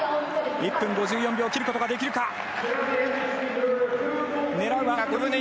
１分５４秒を切ることができるか。